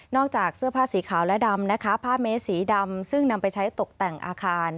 จากเสื้อผ้าสีขาวและดำนะคะผ้าเมสสีดำซึ่งนำไปใช้ตกแต่งอาคาร